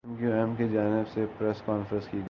M Q M کی جانب سے پریس کانفرنس کی گئی